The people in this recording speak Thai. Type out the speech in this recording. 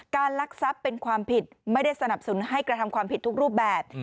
การลักทรัพย์เป็นความผิดไม่ได้สนับสนให้กระทำผิดภูมิแบบ